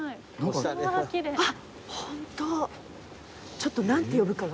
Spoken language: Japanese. ちょっと何て呼ぶかが。